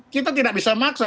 kita tidak bisa maksa